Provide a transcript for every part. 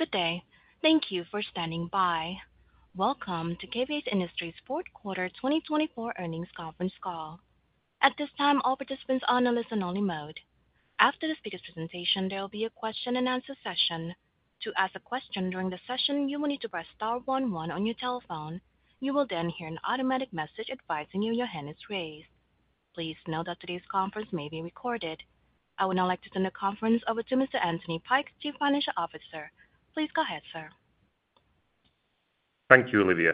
Good day. Thank you for standing by. Welcome to KVH Industries' Fourth Quarter 2024 Earnings Conference Call. At this time, all participants are on a listen-only mode. After the speaker's presentation, there will be a question and answer session. To ask a question during the session, you will need to press star one one on your telephone. You will then hear an automatic message advising you your hand is raised. Please note that today's conference may be recorded. I would now like to turn the conference over to Mr. Anthony Pike, Chief Financial Officer. Please go ahead, sir. Thank you, Olivia.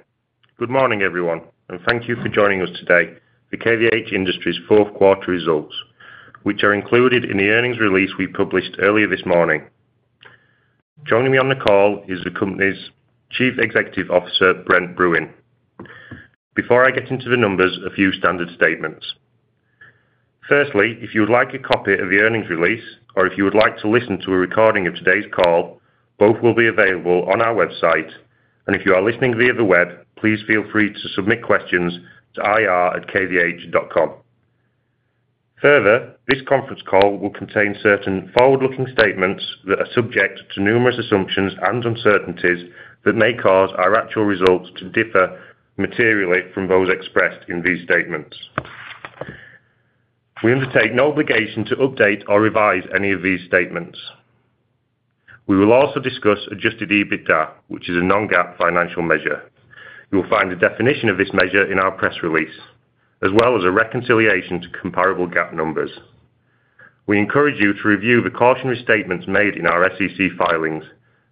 Good morning, everyone, and thank you for joining us today for KVH Industries' fourth quarter results, which are included in the earnings release we published earlier this morning. Joining me on the call is the company's Chief Executive Officer, Brent Bruun. Before I get into the numbers, a few standard statements. Firstly, if you would like a copy of the earnings release, or if you would like to listen to a recording of today's call, both will be available on our website. If you are listening via the web, please feel free to submit questions to ir@kvh.com. Further, this conference call will contain certain forward-looking statements that are subject to numerous assumptions and uncertainties that may cause our actual results to differ materially from those expressed in these statements. We undertake no obligation to update or revise any of these statements. We will also discuss adjusted EBITDA, which is a non-GAAP financial measure. You will find a definition of this measure in our press release, as well as a reconciliation to comparable GAAP numbers. We encourage you to review the cautionary statements made in our SEC filings,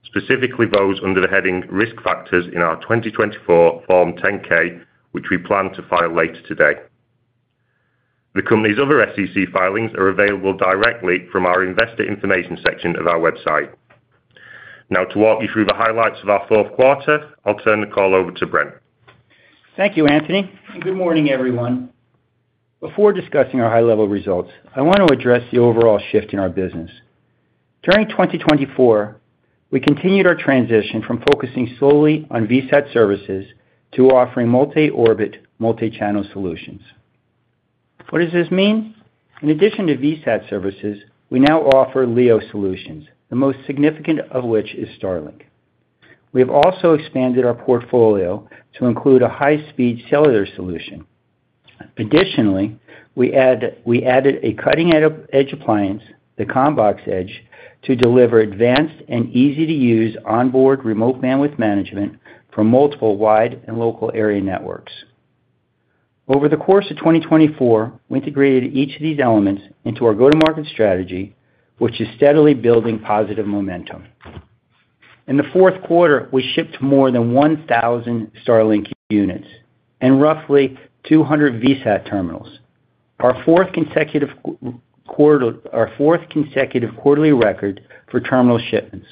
specifically those under the heading risk factors in our 2024 Form 10-K, which we plan to file later today. The company's other SEC filings are available directly from our investor information section of our website. Now, to walk you through the highlights of our fourth quarter, I'll turn the call over to Brent. Thank you, Anthony. Good morning, everyone. Before discussing our high-level results, I want to address the overall shift in our business. During 2024, we continued our transition from focusing solely on VSAT services to offering multi-orbit, multi-channel solutions. What does this mean? In addition to VSAT services, we now offer LEO solutions, the most significant of which is Starlink. We have also expanded our portfolio to include a high-speed cellular solution. Additionally, we added a cutting-edge appliance, the CommBox Edge, to deliver advanced and easy-to-use onboard remote bandwidth management for multiple wide and local area networks. Over the course of 2024, we integrated each of these elements into our go-to-market strategy, which is steadily building positive momentum. In the fourth quarter, we shipped more than 1,000 Starlink units and roughly 200 VSAT terminals. Our fourth consecutive quarter quarterly record for terminal shipments.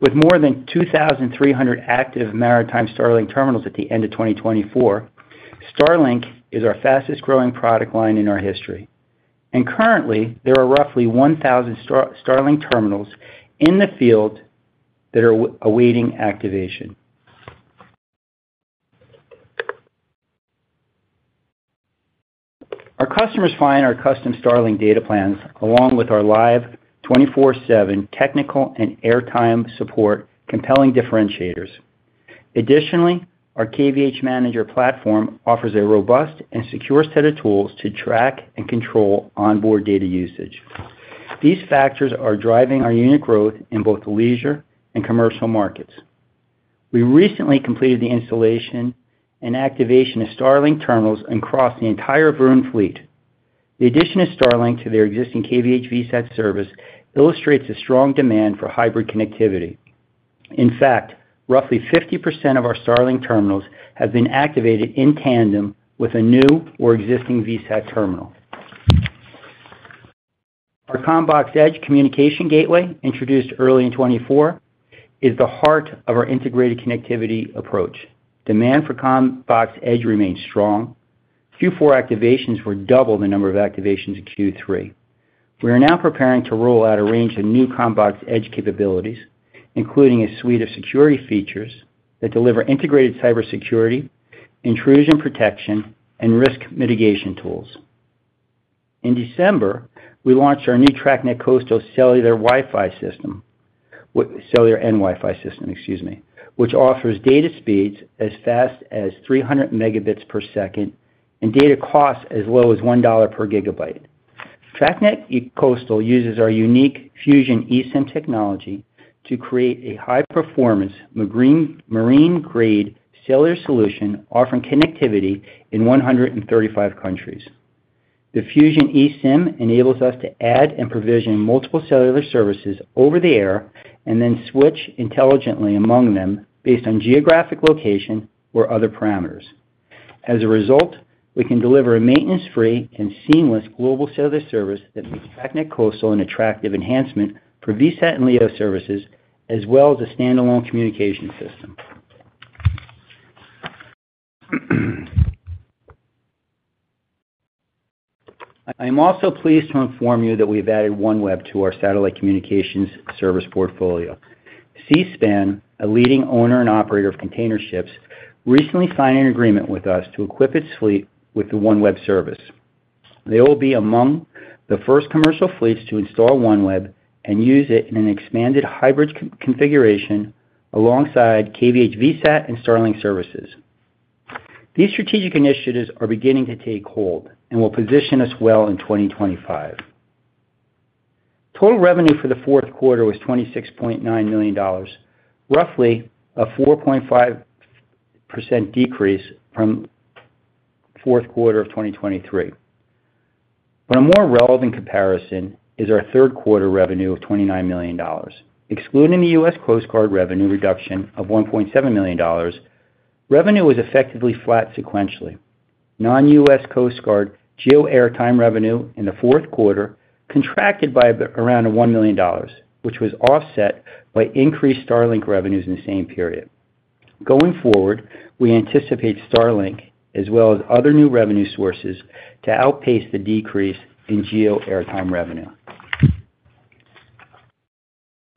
With more than 2,300 active maritime Starlink terminals at the end of 2024, Starlink is our fastest-growing product line in our history. Currently, there are roughly 1,000 Starlink terminals in the field that are awaiting activation. Our customers find our custom Starlink data plans along with our live 24/7 technical and airtime support compelling differentiators. Additionally, our KVH Manager platform offers a robust and secure set of tools to track and control onboard data usage. These factors are driving our unit growth in both leisure and commercial markets. We recently completed the installation and activation of Starlink terminals across the entire Vroon fleet. The addition of Starlink to their existing KVH VSAT service illustrates a strong demand for hybrid connectivity. In fact, roughly 50% of our Starlink terminals have been activated in tandem with a new or existing VSAT terminal. Our CommBox Edge communication gateway, introduced early in 2024, is the heart of our integrated connectivity approach. Demand for CommBox Edge remains strong. Q4 activations were double the number of activations in Q3. We are now preparing to roll out a range of new CommBox Edge capabilities, including a suite of security features that deliver integrated cybersecurity, intrusion protection, and risk mitigation tools. In December, we launched our new TracNet Coastal cellular Wi-Fi system, cellular and Wi-Fi system, excuse me, which offers data speeds as fast as 300 Mbps and data costs as low as $1 per GB. TracNet Coastal uses our unique fusion eSIM technology to create a high-performance marine-grade cellular solution offering connectivity in 135 countries. The fusion eSIM enables us to add and provision multiple cellular services over the air and then switch intelligently among them based on geographic location or other parameters. As a result, we can deliver a maintenance-free and seamless global cellular service that makes TracNet Coastal an attractive enhancement for VSAT and LEO services, as well as a standalone communication system. I am also pleased to inform you that we have added OneWeb to our satellite communications service portfolio. Seaspan, a leading owner and operator of container ships, recently signed an agreement with us to equip its fleet with the OneWeb service. They will be among the first commercial fleets to install OneWeb and use it in an expanded hybrid configuration alongside KVH VSAT and Starlink services. These strategic initiatives are beginning to take hold and will position us well in 2025. Total revenue for the fourth quarter was $26.9 million, roughly a 4.5% decrease from fourth quarter of 2023. A more relevant comparison is our third quarter revenue of $29 million. Excluding the U.S. Coast Guard revenue reduction of $1.7 million, revenue was effectively flat sequentially. Non-U.S. Coast Guard GEO airtime revenue in the fourth quarter contracted by around $1 million, which was offset by increased Starlink revenues in the same period. Going forward, we anticipate Starlink, as well as other new revenue sources, to outpace the decrease in GEO airtime revenue.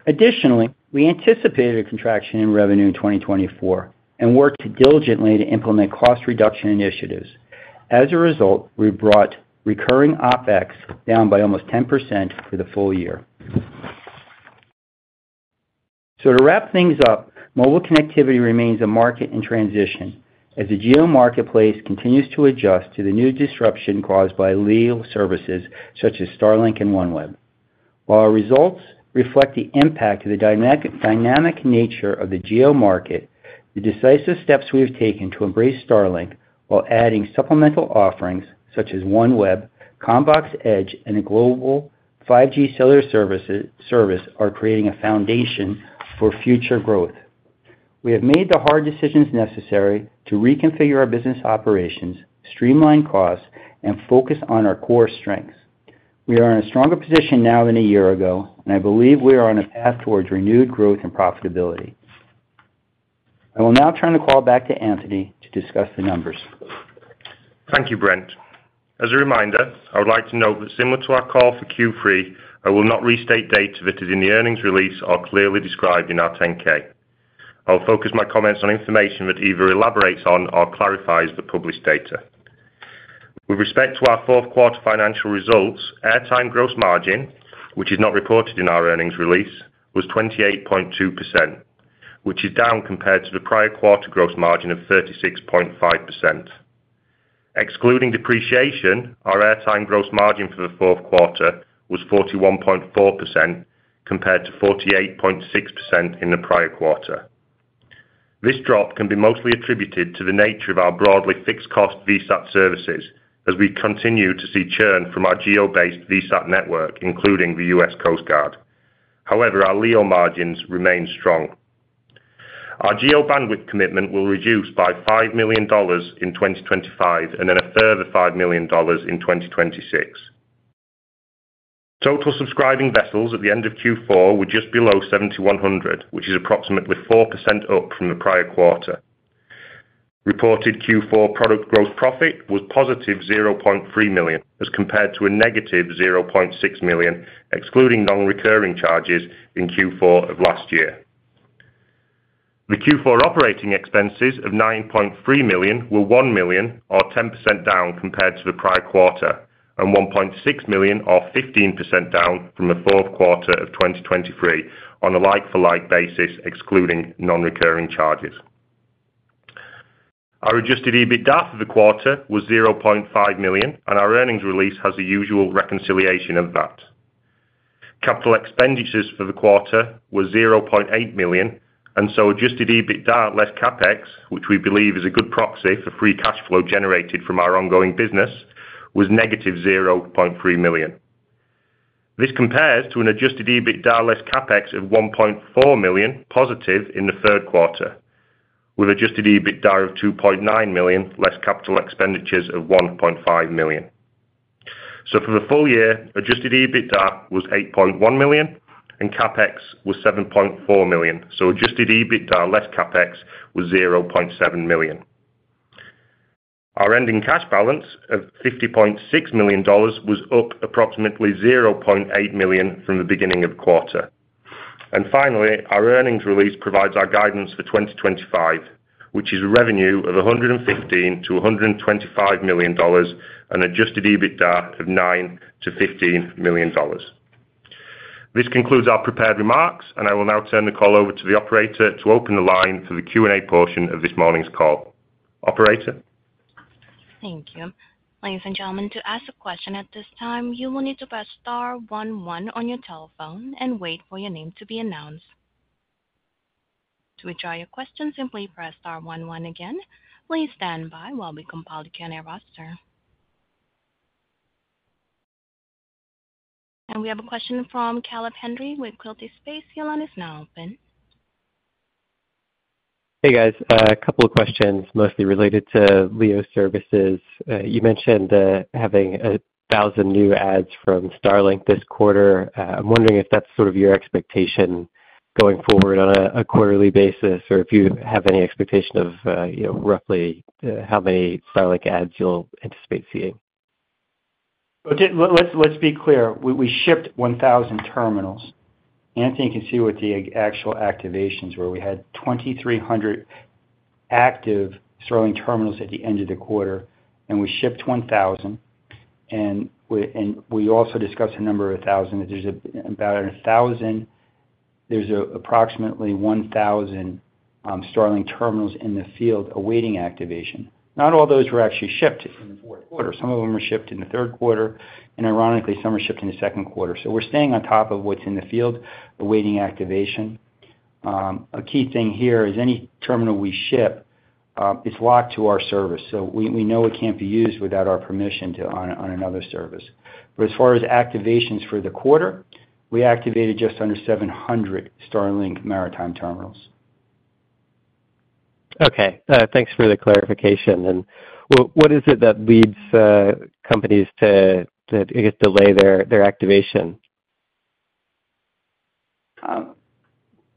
Additionally, we anticipated a contraction in revenue in 2024 and worked diligently to implement cost reduction initiatives. As a result, we brought recurring OpEx down by almost 10% for the full year. Mobile connectivity remains a market in transition as the GEO marketplace continues to adjust to the new disruption caused by LEO services such as Starlink and OneWeb. While our results reflect the impact of the dynamic nature of the GEO market, the decisive steps we have taken to embrace Starlink while adding supplemental offerings such as OneWeb, CommBox Edge, and a global 5G cellular service are creating a foundation for future growth. We have made the hard decisions necessary to reconfigure our business operations, streamline costs, and focus on our core strengths. We are in a stronger position now than a year ago, and I believe we are on a path towards renewed growth and profitability. I will now turn the call back to Anthony to discuss the numbers. Thank you, Brent. As a reminder, I would like to note that similar to our call for Q3, I will not restate dates as in the earnings release or clearly described in our 10-K. I will focus my comments on information that either elaborates on or clarifies the published data. With respect to our fourth quarter financial results, airtime gross margin, which is not reported in our earnings release, was 28.2%, which is down compared to the prior quarter gross margin of 36.5%. Excluding depreciation, our airtime gross margin for the fourth quarter was 41.4% compared to 48.6% in the prior quarter. This drop can be mostly attributed to the nature of our broadly fixed-cost VSAT services, as we continue to see churn from our GEO-based VSAT network, including the U.S. Coast Guard. However, our LEO margins remain strong. Our GEO bandwidth commitment will reduce by $5 million in 2025 and then a further $5 million in 2026. Total subscribing vessels at the end of Q4 were just below 7,100, which is approximately 4% up from the prior quarter. Reported Q4 product gross profit was +0.3 million as compared to a -0.6 million, excluding non-recurring charges in Q4 of last year. The Q4 operating expenses of $9.3 million were $1 million or 10% down compared to the prior quarter and $1.6 million or 15% down from the fourth quarter of 2023 on a like-for-like basis, excluding non-recurring charges. Our adjusted EBITDA for the quarter was $0.5 million, and our earnings release has a usual reconciliation of that. Capital expenditures for the quarter were $0.8 million, and adjusted EBITDA less CapEx, which we believe is a good proxy for free cash flow generated from our ongoing business, was -0.3 million. This compares to an adjusted EBITDA less CapEx of $1.4 million positive in the third quarter, with adjusted EBITDA of $2.9 million less capital expenditures of $1.5 million. For the full year, adjusted EBITDA was $8.1 million, and CapEx was $7.4 million. Adjusted EBITDA less CapEx was $0.7 million. Our ending cash balance of $50.6 million was up approximately $0.8 million from the beginning of the quarter. Finally, our earnings release provides our guidance for 2025, which is revenue of $115-$125 million and adjusted EBITDA of $9-$15 million. This concludes our prepared remarks, and I will now turn the call over to the operator to open the line for the Q&A portion of this morning's call. Operator. Thank you. Ladies and gentlemen, to ask a question at this time, you will need to press star one one on your telephone and wait for your name to be announced. To withdraw your question, simply press star one one again. Please stand by while we compile the Q&A roster. We have a question from Caleb Henry with Quilty Space. Your line is now open. Hey, guys. A couple of questions, mostly related to LEO services. You mentioned having 1,000 new adds from Starlink this quarter. I'm wondering if that's sort of your expectation going forward on a quarterly basis, or if you have any expectation of roughly how many Starlink adds you'll anticipate seeing? Let's be clear. We shipped 1,000 terminals. Anthony can see what the actual activations were. We had 2,300 active Starlink terminals at the end of the quarter, and we shipped 1,000. We also discussed the number of 1,000. There's about 1,000, there's approximately 1,000 Starlink terminals in the field awaiting activation. Not all those were actually shipped in the fourth quarter. Some of them were shipped in the third quarter, and ironically, some were shipped in the second quarter. We are staying on top of what's in the field awaiting activation. A key thing here is any terminal we ship is locked to our service, so we know it can't be used without our permission on another service. As far as activations for the quarter, we activated just under 700 Starlink maritime terminals. Okay. Thanks for the clarification. What is it that leads companies to, I guess, delay their activation?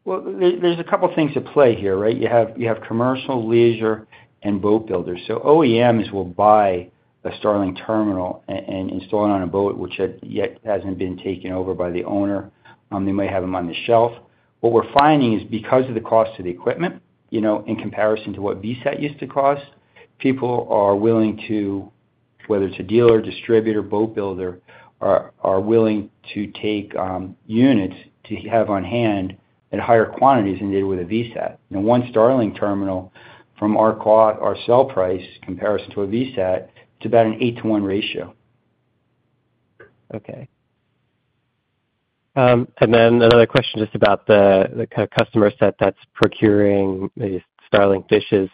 There is a couple of things at play here, right? You have commercial, leisure, and boat builders. OEMs will buy a Starlink terminal and install it on a boat, which yet has not been taken over by the owner. They might have them on the shelf. What we are finding is because of the cost of the equipment, in comparison to what VSAT used to cost, people are willing to, whether it is a dealer, distributor, boat builder, are willing to take units to have on hand at higher quantities than they did with a VSAT. Now, one Starlink terminal from our sell price comparison to a VSAT, it is about an 8:1 ratio. Okay. Another question just about the customer set that's procuring Starlink dishes.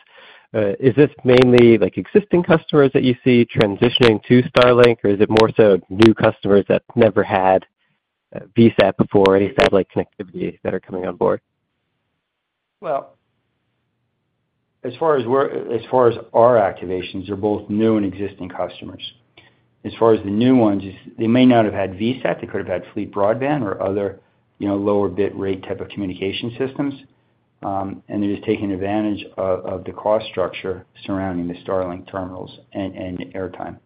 Is this mainly existing customers that you see transitioning to Starlink, or is it more so new customers that never had VSAT before or any satellite connectivity that are coming on board? As far as our activations, they're both new and existing customers. As far as the new ones, they may not have had VSAT. They could have had Fleet Broadband or other lower bit rate type of communication systems, and they're just taking advantage of the cost structure surrounding the Starlink terminals and airtime.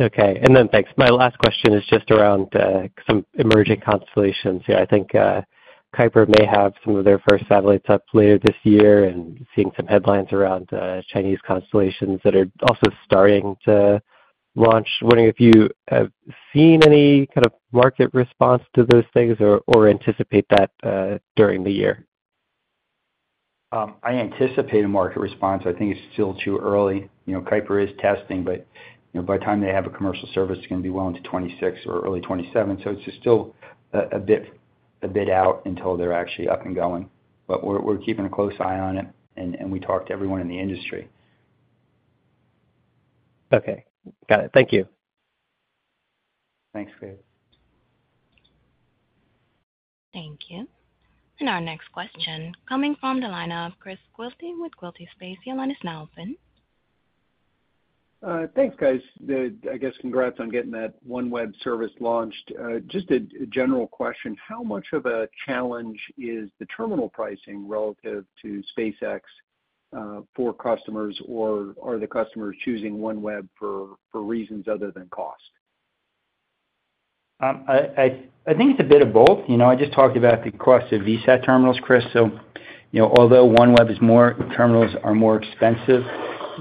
Okay. Thanks. My last question is just around some emerging constellations. I think Kuiper may have some of their first satellites up later this year and seeing some headlines around Chinese constellations that are also starting to launch. Wondering if you have seen any kind of market response to those things or anticipate that during the year? I anticipate a market response. I think it's still too early. Kuiper is testing, but by the time they have a commercial service, it's going to be well into 2026 or early 2027. It's still a bit out until they're actually up and going. We're keeping a close eye on it, and we talk to everyone in the industry. Okay. Got it. Thank you. Thanks, Caleb. Thank you. Our next question coming from the line of Chris Quilty with Quilty Space. Your line is now open. Thanks, guys. I guess congrats on getting that OneWeb service launched. Just a general question. How much of a challenge is the terminal pricing relative to SpaceX for customers, or are the customers choosing OneWeb for reasons other than cost? I think it's a bit of both. I just talked about the cost of VSAT terminals, Chris. Although OneWeb terminals are more expensive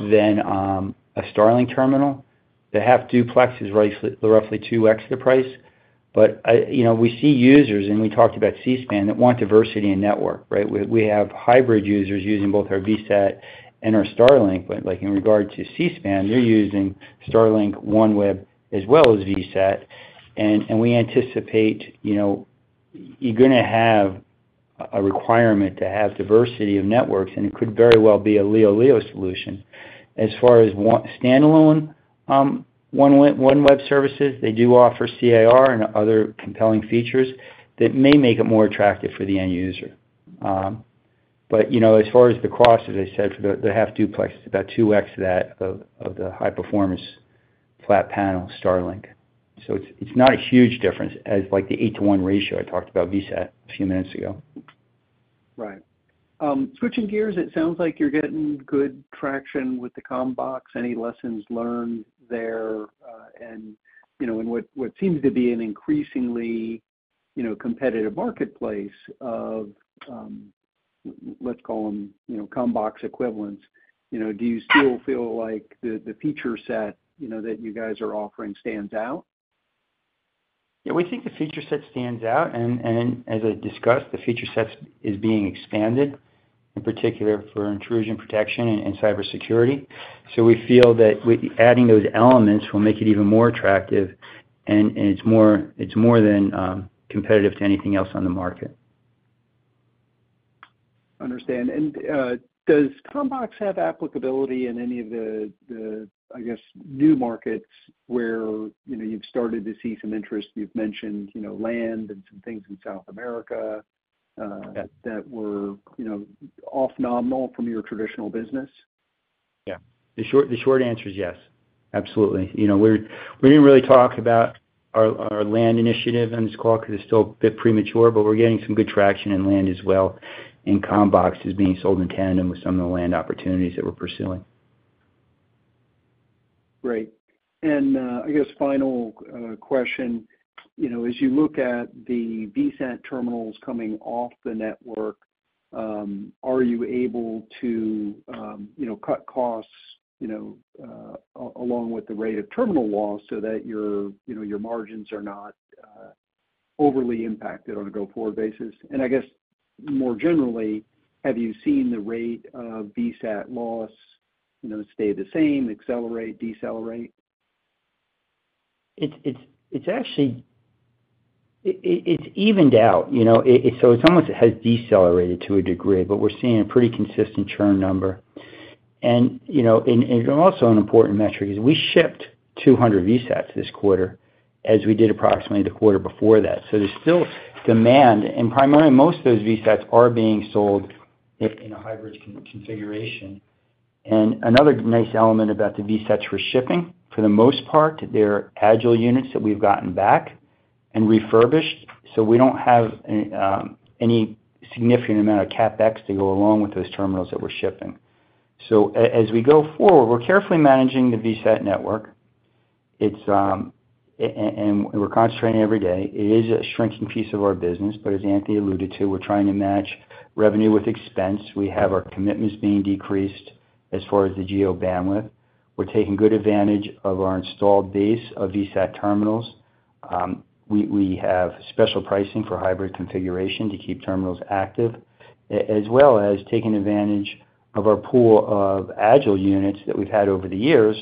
than a Starlink terminal, they have duplexes roughly 2x the price. We see users, and we talked about Seaspan, that want diversity in network, right? We have hybrid users using both our VSAT and our Starlink. In regard to Seaspan, they're using Starlink, OneWeb, as well as VSAT. We anticipate you're going to have a requirement to have diversity of networks, and it could very well be a LEO-LEO solution. As far as standalone OneWeb services, they do offer CIR and other compelling features that may make it more attractive for the end user. As far as the cost, as I said, they have duplexes, about 2x that of the high-performance flat panel Starlink. It's not a huge difference, as like the 8:1 ratio I talked about VSAT a few minutes ago. Right. Switching gears, it sounds like you're getting good traction with the CommBox. Any lessons learned there? In what seems to be an increasingly competitive marketplace of, let's call them, CommBox equivalents, do you still feel like the feature set that you guys are offering stands out? Yeah. We think the feature set stands out. As I discussed, the feature set is being expanded, in particular for intrusion protection and cybersecurity. We feel that adding those elements will make it even more attractive, and it is more than competitive to anything else on the market. Understand. Does CommBox have applicability in any of the, I guess, new markets where you've started to see some interest? You've mentioned land and some things in South America that were off-nominal from your traditional business. Yeah. The short answer is yes. Absolutely. We did not really talk about our land initiative on this call because it is still a bit premature, but we are getting some good traction in land as well. And CommBox is being sold in tandem with some of the land opportunities that we are pursuing. Great. I guess final question. As you look at the VSAT terminals coming off the network, are you able to cut costs along with the rate of terminal loss so that your margins are not overly impacted on a go-forward basis? I guess more generally, have you seen the rate of VSAT loss stay the same, accelerate, decelerate? It's evened out. It's almost has decelerated to a degree, but we're seeing a pretty consistent churn number. Also, an important metric is we shipped 200 VSATs this quarter, as we did approximately the quarter before that. There's still demand. Primarily, most of those VSATs are being sold in a hybrid configuration. Another nice element about the VSATs for shipping, for the most part, they're Agile units that we've gotten back and refurbished. We don't have any significant amount of CapEx to go along with those terminals that we're shipping. As we go forward, we're carefully managing the VSAT network, and we're concentrating every day. It is a shrinking piece of our business, but as Anthony alluded to, we're trying to match revenue with expense. We have our commitments being decreased as far as the GEO bandwidth. We're taking good advantage of our installed base of VSAT terminals. We have special pricing for hybrid configuration to keep terminals active, as well as taking advantage of our pool of Agile units that we've had over the years.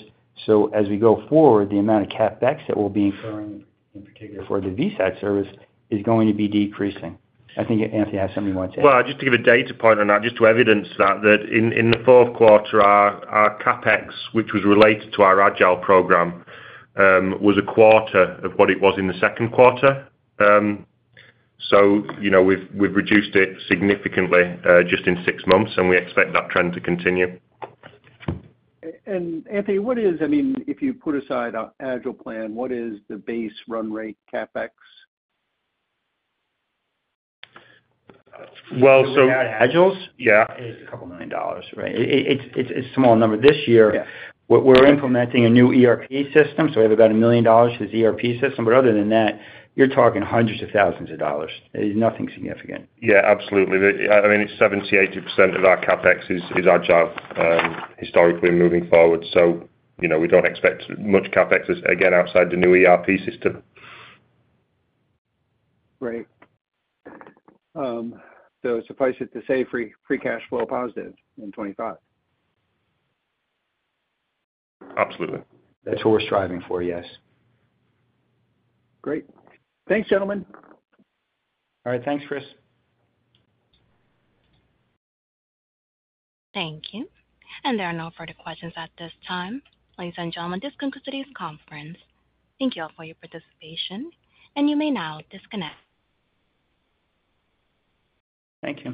As we go forward, the amount of CapEx that will be incurring, in particular for the VSAT service, is going to be decreasing. I think Anthony has something he wants to add. Just to give a data point on that, just to evidence that, that in the fourth quarter, our CapEx, which was related to our Agile program, was a quarter of what it was in the second quarter. We have reduced it significantly just in six months, and we expect that trend to continue. Anthony, what is, I mean, if you put aside our Agile plan, what is the base run rate CapEx? Well, so. Agiles? Yeah. It's a couple of million dollars, right? It's a small number. This year, we're implementing a new ERP system, so we have about million dollars for this ERP system. Other than that, you're talking hundreds of thousands of dollars. It's nothing significant. Yeah, absolutely. I mean, 70%-80% of our CapEx is agile historically moving forward. We do not expect much CapEx again outside the new ERP system. Great. Suffice it to say, free cash flow positive in 2025. Absolutely. That's what we're striving for, yes. Great. Thanks, gentlemen. All right. Thanks, Chris. Thank you. There are no further questions at this time. Ladies and gentlemen, this concludes today's conference. Thank you all for your participation, and you may now disconnect. Thank you.